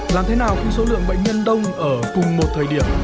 làm thế nào khi số lượng bệnh nhân đông ở cùng một thời điểm